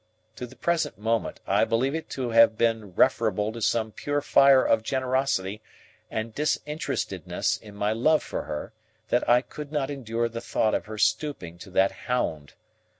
To the present moment, I believe it to have been referable to some pure fire of generosity and disinterestedness in my love for her, that I could not endure the thought of her stooping to that hound.